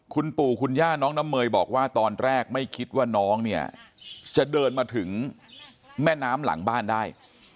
คุณปู่คุณย่าน้องน้ำเมยบอกว่าตอนแรกไม่คิดว่าน้องเนี่ยจะเดินมาถึงแม่น้ำหลังบ้านได้